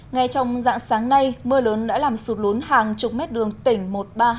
ngay trong dạng sáng nay mưa lớn đã làm sụt lún hàng chục mét đường tỉnh một trăm ba mươi hai